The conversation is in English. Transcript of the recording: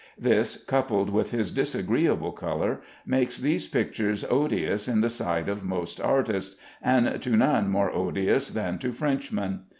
This, coupled with his disagreeable color, makes these pictures odious in the sight of most artists, and to none more odious than to Frenchmen.